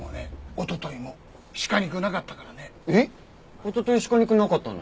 おととい鹿肉なかったの？